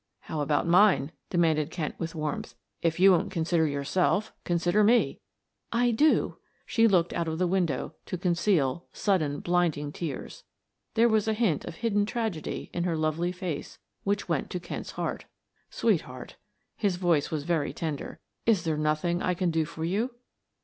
"How about mine?" demanded Kent with warmth. "If you won't consider yourself, consider me." "I do." She looked out of the window to conceal sudden blinding tears. There was a hint of hidden tragedy in her lovely face which went to Kent's heart. "Sweetheart," his voice was very tender, "is there nothing I can do for you?"